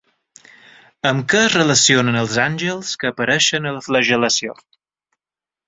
Amb què es relacionen els àngels que apareixen a la flagel·lació?